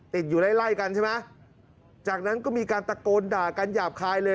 ติดอยู่ไล่ไล่กันใช่ไหมจากนั้นก็มีการตะโกนด่ากันหยาบคายเลย